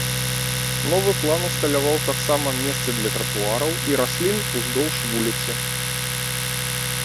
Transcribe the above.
Новы план усталяваў таксама месцы для тратуараў і раслін уздоўж вуліцы.